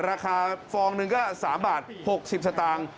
ฟองหนึ่งก็๓บาท๖๐สตางค์